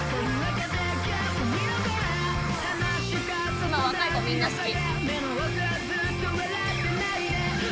今若い子みんな好き。